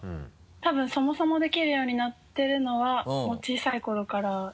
たぶんそもそもできるようになってるのは小さい頃から。